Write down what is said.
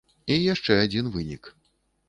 І яшчэ адзін вынік.